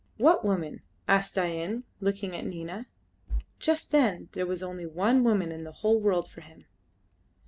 "What woman?" asked Dain, looking at Nina. Just then there was only one woman in the whole world for him.